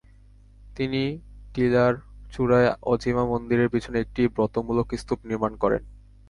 তিনি টিলার চূড়ায় অজিমা মন্দিরের পিছনে একটি ব্রতমূলক স্তূপ নির্মাণ করেন।